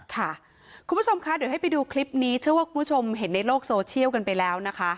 คุณผู้ชมคะเดี๋ยวให้ไปดูคลิปนี้เชื่อว่าคุณผู้ชมเห็นในโลกโซเชียลกันไปแล้วนะคะ